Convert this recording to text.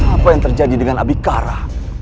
apa yang terjadi dengan abikara